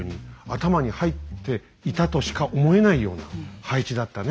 頭に入っていたとしか思えないような配置だったね。